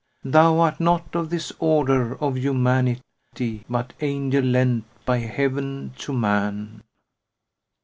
Thou art not of this order of human * ity but angel lent by Heaven to man."